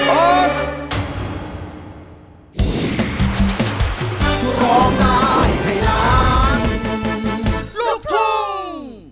โปรดติดตามตอนต่อไป